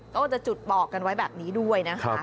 ก็จะจุดบอกกันไว้แบบนี้ด้วยนะคะ